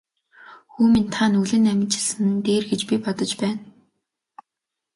Хүү минь та нүглээ наманчилсан нь дээр гэж би бодож байна.